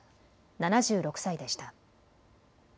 ７６歳でした。